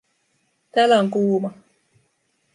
Täällä on kuuma